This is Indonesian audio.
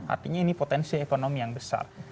artinya ini potensi ekonomi yang besar